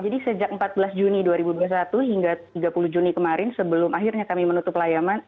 jadi sejak empat belas juni dua ribu dua puluh satu hingga tiga puluh juni kemarin sebelum akhirnya kami menutup layaman